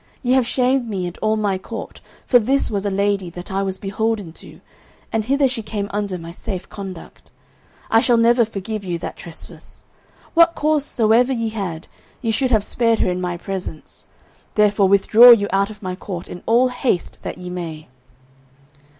Ye have shamed me and all my court, for this was a lady that I was beholden to, and hither she came under my safe conduct. I shall never forgive you that trespass. What cause soever ye had, ye should have spared her in my presence; therefore withdraw you out of my court in all haste that ye may."